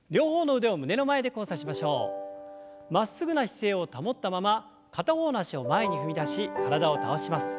まっすぐな姿勢を保ったまま片方の脚を前に踏み出し体を倒します。